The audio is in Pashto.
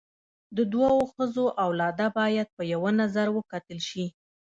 د دوو ښځو اولاده باید په یوه نظر وکتل سي.